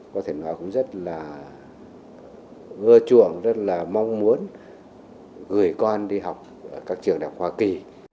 có thể nói cũng rất là ưa chuộng rất là mong muốn gửi con đi học ở các trường đại học hoa kỳ